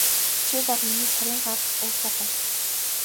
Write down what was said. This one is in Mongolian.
Чи бол миний цорын ганц өв залгамжлагч.